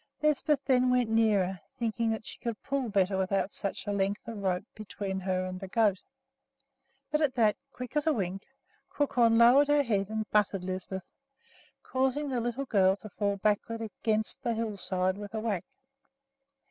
Lisbeth then went nearer, thinking that she could pull better without such a length of rope between her and the goat; but at that, quick as a wink, Crookhorn lowered her head and butted Lisbeth, causing the little girl to fall back against the hillside with a whack.